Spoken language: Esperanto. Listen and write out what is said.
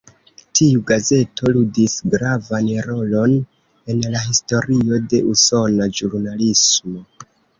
Tiu gazeto ludis gravan rolon en la historio de usona ĵurnalismo.